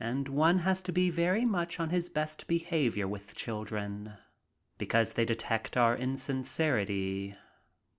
And one has to be very much on his best behavior with children because they detect our insincerity.